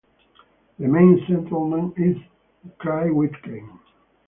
The main settlement is Grytviken.